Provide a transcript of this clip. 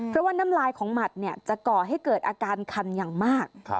เพราะว่าน้ำลายของหมัดจะก่อให้เกิดอาการคันอย่างมาก